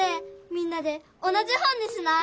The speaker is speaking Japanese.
みんなで同じ本にしない？